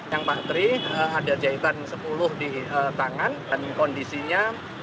yang pak tri ada jahitan sepuluh di tangan dan kondisinya